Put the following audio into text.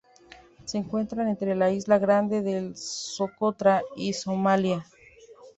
Se encuentra entre la isla grande de Socotra y Somalia.